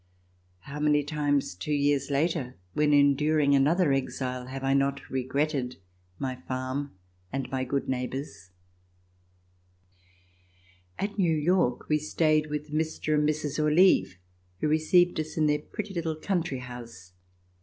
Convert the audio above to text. How many times, two years Inter, when enduring another exile, have I not regretted my farm and my good neighbors. DEPARTURE FOR EUROPE At New York we stayed with Mr. and Mrs. Olive who received us in their pretty Httle country house.